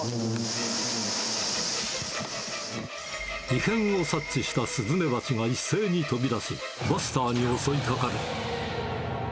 異変を察知したスズメバチが一斉に飛び出し、バスターに襲いかかる。